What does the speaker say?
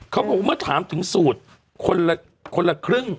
เขาบอกเมื่อถามถึงสูตรคนละครึ่ง